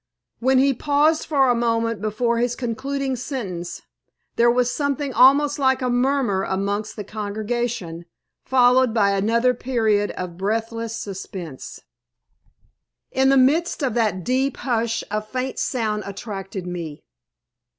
When he paused for a moment before his concluding sentence, there was something almost like a murmur amongst the congregation, followed by another period of breathless suspense. In the midst of that deep hush a faint sound attracted me.